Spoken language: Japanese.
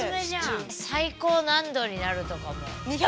最高何℃になるとかも。え！？